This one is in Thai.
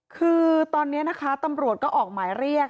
คือตอนนี้นะคะตำรวจก็ออกหมายเรียก